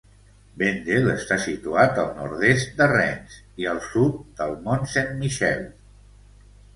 Vendel està situat al nord-est de Rennes i al sud del Mont Saint-Michel.